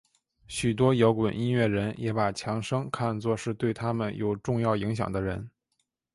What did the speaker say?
许多摇滚音乐人也把强生看作是对他们有重要影响的人。